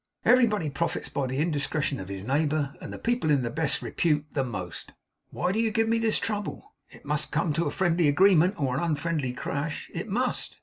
Everybody profits by the indiscretion of his neighbour; and the people in the best repute, the most. Why do you give me this trouble? It must come to a friendly agreement, or an unfriendly crash. It must.